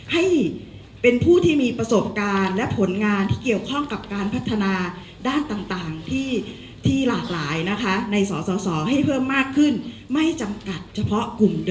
ให้เป็นผู้ที่มีประสบการณ์และผลงานที่เกี่ยวข้องกับการพัฒนาด้านต่างที่หลากหลายนะคะ